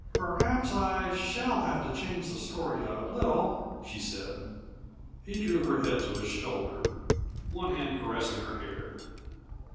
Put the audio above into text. "Perhaps I shall have to change the story a little," she said. He drew her head to his shoulder, one hand caressing her hair.